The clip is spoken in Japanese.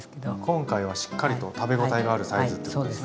今回はしっかりと食べ応えのあるサイズっていうことですね。